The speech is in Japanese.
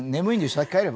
先帰れば？」